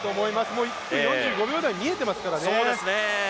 もう１分４５秒台が見えていますからね。